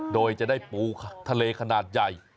โดยจะได้ปูทะเลขนาดใหญ่